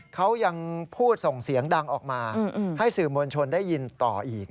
เขายังพูดส่งเสียงดังออกมาให้สื่อมวลชนได้ยินต่ออีก